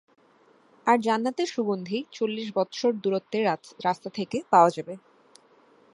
আর জান্নাতের সুগন্ধি চল্লিশ বৎসর দূরত্বের রাস্তা থেকে পাওয়া যাবে।